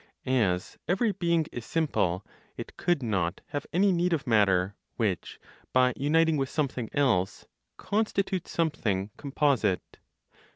As every (being) is simple, it could not have any need of matter which, by uniting with something else, constitutes something composite.